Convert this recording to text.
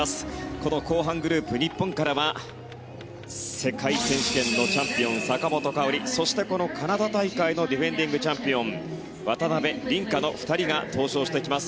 この後半グループ日本からは世界選手権のチャンピオン坂本花織そしてこのカナダ大会のディフェンディングチャンピオン渡辺倫果の２人が登場してきます。